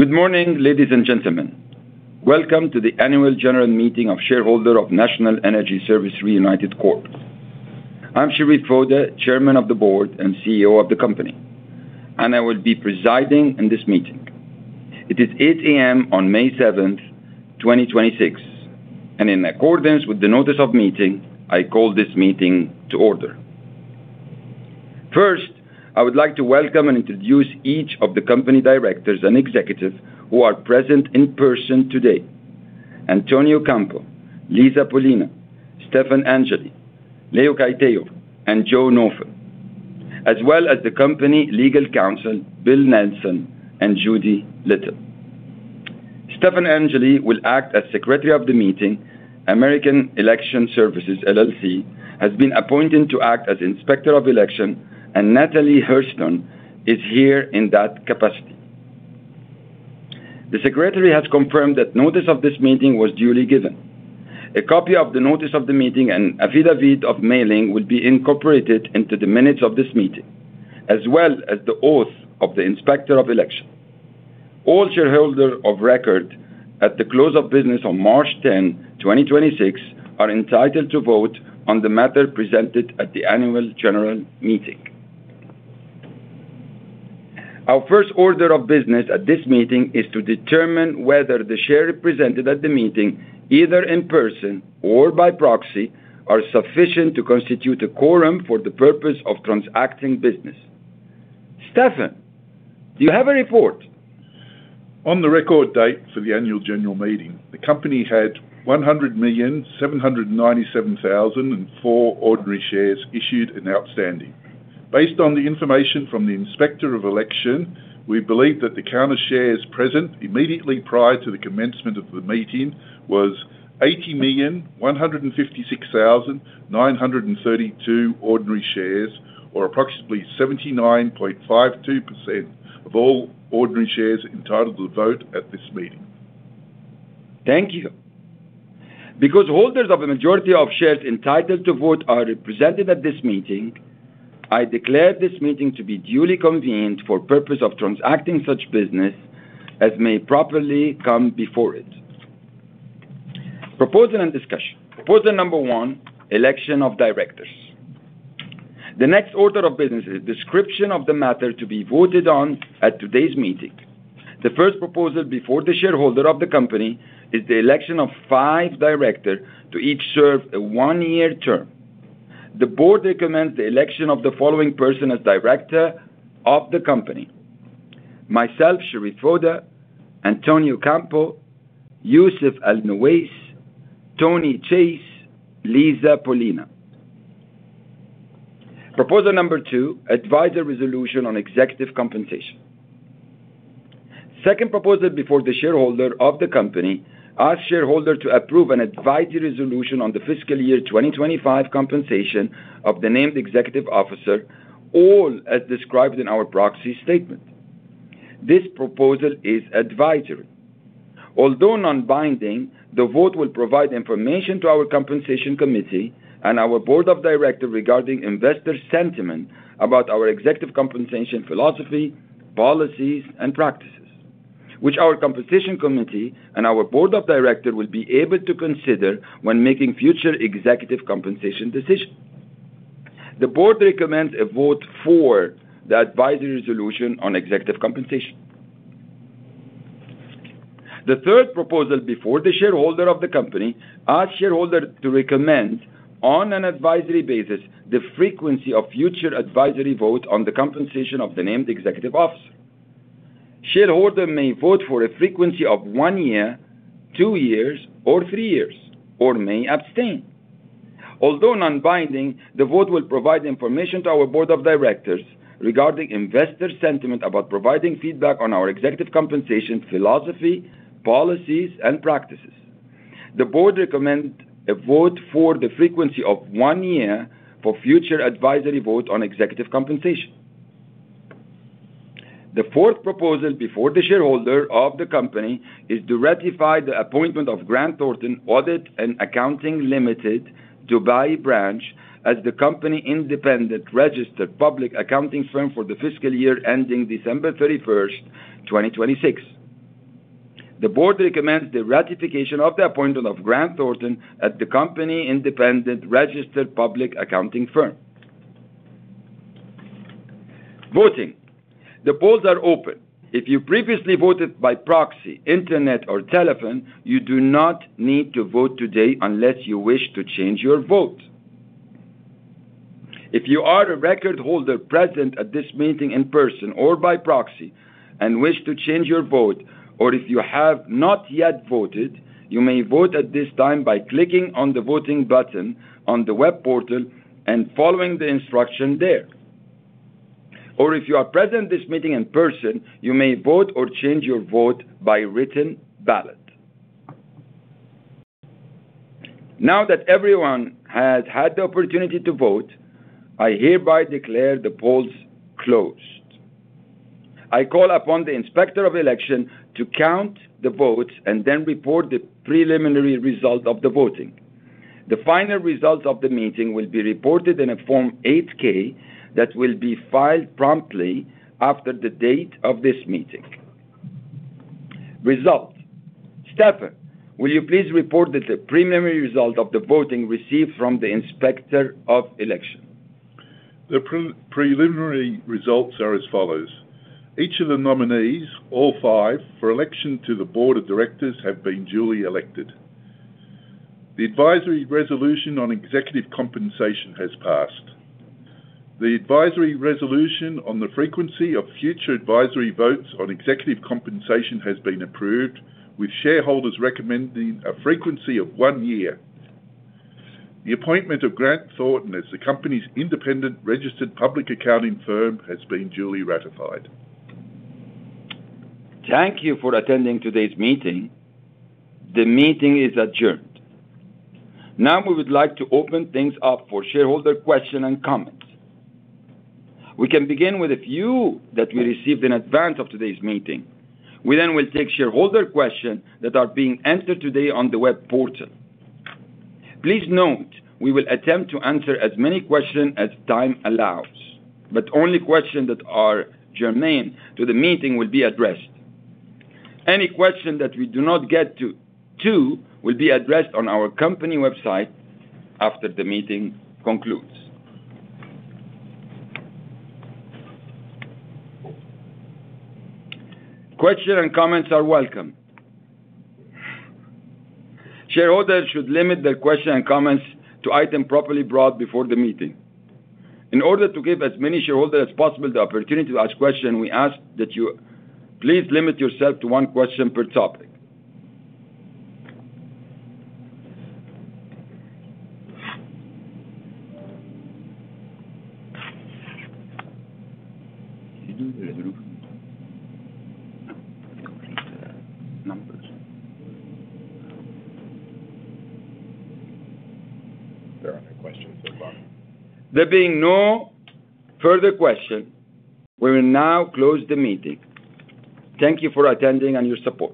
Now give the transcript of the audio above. Good morning, ladies and gentlemen. Welcome to the annual general meeting of shareholders of National Energy Services Reunited Corp. I'm Sherif Foda, Chairman of the Board and Chief Executive Officer of the company, and I will be presiding in this meeting. It is 8:00 A.M. on May 7th, 2026. In accordance with the notice of meeting, I call this meeting to order. First, I would like to welcome and introduce each of the company directors and executives who are present in person today. Antonio Campo Mejia, Lisa A. Pollina, Stefan Angeli, Leo Kaitayev, and Joseph Nawfal, as well as the company legal counsel, Bill Nelson and Judy Little. Stefan Angeli will act as secretary of the meeting. American Election Services, LLC, has been appointed to act as inspector of election, and Natalie Hershton is here in that capacity. The secretary has confirmed that notice of this meeting was duly given. A copy of the notice of the meeting and affidavit of mailing will be incorporated into the minutes of this meeting, as well as the oath of the inspector of election. All shareholder of record at the close of business on March 10, 2026 are entitled to vote on the matter presented at the annual general meeting. Our first order of business at this meeting is to determine whether the share represented at the meeting, either in person or by proxy, are sufficient to constitute a quorum for the purpose of transacting business. Stefan, do you have a report? On the record date for the annual general meeting, the company had 100,797,004 ordinary shares issued and outstanding. Based on the information from the inspector of election, we believe that the count of shares present immediately prior to the commencement of the meeting was 80,156,932 ordinary shares, or approximately 79.52% of all ordinary shares entitled to vote at this meeting. Thank you. Because holders of a majority of shares entitled to vote are represented at this meeting, I declare this meeting to be duly convened for purpose of transacting such business as may properly come before it. Proposal and discussion. Proposal number one, election of directors. The next order of business is description of the matter to be voted on at today's meeting. The first proposal before the shareholder of the company is the election of five director to each serve a one-year term. The board recommends the election of the following person as director of the company. Myself, Sherif Foda, Antonio Campo, Yousuf Al-Nowais, Tony Chase, Liza Pollina. Proposal number two, advise a resolution on executive compensation. Second proposal before the shareholders of the company asks shareholders to approve an advisory resolution on the fiscal year 2025 compensation of the named executive officer, all as described in our proxy statement. This proposal is advisory. Although non-binding, the vote will provide information to our compensation committee and our Board of Directors regarding investor sentiment about our executive compensation philosophy, policies, and practices, which our compensation committee and our Board of Directors will be able to consider when making future executive compensation decisions. The Board recommends a vote for the advisory resolution on executive compensation. The third proposal before the shareholders of the company asks shareholders to recommend, on an advisory basis, the frequency of future advisory vote on the compensation of the named executive officer. Shareholders may vote for a frequency of one year, two years, or three years, or may abstain. Although non-binding, the vote will provide information to our Board of Directors regarding investor sentiment about providing feedback on our executive compensation philosophy, policies, and practices. The Board recommend a vote for the frequency of one year for future advisory vote on executive compensation. The fourth proposal before the shareholder of the company is to ratify the appointment of Grant Thornton Audit and Accounting Limited, Dubai branch, as the company independent registered public accounting firm for the fiscal year ending December 31st, 2026. The Board recommends the ratification of the appointment of Grant Thornton as the company independent registered public accounting firm. Voting. The polls are open. If you previously voted by proxy, Internet or telephone, you do not need to vote today unless you wish to change your vote. If you are a record holder present at this meeting in person or by proxy and wish to change your vote, or if you have not yet voted, you may vote at this time by clicking on the voting button on the web portal and following the instruction there. If you are present this meeting in person, you may vote or change your vote by written ballot. Now that everyone has had the opportunity to vote, I hereby declare the polls closed. I call upon the inspector of election to count the votes and then report the preliminary result of the voting. The final results of the meeting will be reported in a Form 8-K that will be filed promptly after the date of this meeting. Result: Stefan, will you please report that the preliminary result of the voting received from the inspector of election? The pre-preliminary results are as follows: Each of the nominees, all five, for election to the board of directors have been duly elected. The advisory resolution on executive compensation has passed. The advisory resolution on the frequency of future advisory votes on executive compensation has been approved, with shareholders recommending a frequency of one year. The appointment of Grant Thornton as the company's independent registered public accounting firm has been duly ratified. Thank you for attending today's meeting, the meeting is adjourned. Now, we would like to open things up for shareholder question and comments. We can begin with a few that we received in advance of today's meeting. We then will take shareholder question that are being entered today on the web portal. Please note, we will attempt to answer as many question as time allows, but only question that are germane to the meeting will be addressed. Any question that we do not get to will be addressed on our company website after the meeting concludes. Question and comments are welcome. Shareholders should limit their question and comments to item properly brought before the meeting. In order to give as many shareholders as possible the opportunity to ask question, we ask that you please limit yourself to one question per topic. Can you do the approved? No, I can't see the numbers. There are no questions thus far. There being no further question, we will now close the meeting. Thank you for attending and your support.